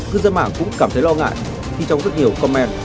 cư dân mạng cũng cảm thấy lo ngại khi trong rất nhiều commen